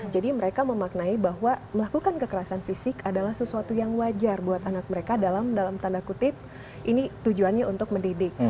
jadi mereka memaknai bahwa melakukan kekerasan fisik adalah sesuatu yang wajar buat anak mereka dalam tanda kutip ini tujuannya untuk mendidik